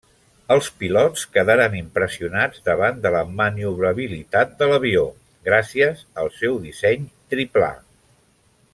Els pilots quedaren impressionats davant de la maniobrabilitat de l'avió, gràcies al seu disseny triplà.